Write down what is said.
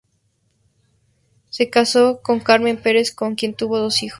Se casó con Carmen Perez, con quien tuvo dos hijos.